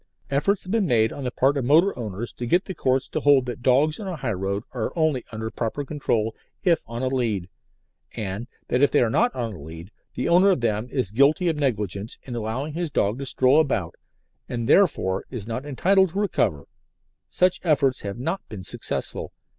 Efforts have been made on the part of motor owners to get the Courts to hold that dogs on a high road are only under proper control if on a "lead," and that if they are not on a "lead" the owner of them is guilty of negligence in allowing his dog to stroll about, and therefore is not entitled to recover: such efforts have not been successful.